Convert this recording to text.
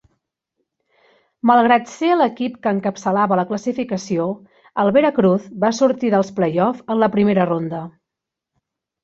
Malgrat ser l'equip que encapçalava la classificació, el Veracruz va sortir dels play-offs en la primera ronda.